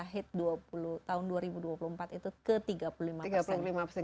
jadi dari tahun dua ribu dua puluh empat itu ke tiga puluh lima persen